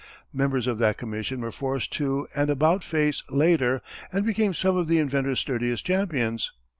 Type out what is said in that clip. Members of that commission were forced to an about face later and became some of the inventor's sturdiest champions.